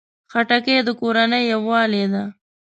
خټکی د کورنۍ یووالي ده.